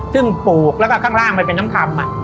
ซึ่งปลูกแล้วก็ข้างล่างมันเป็นน้ำคำ